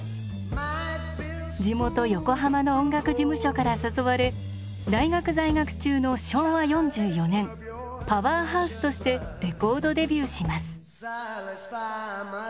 地元横浜の音楽事務所から誘われ大学在学中の昭和４４年「パワー・ハウス」としてレコードデビューします。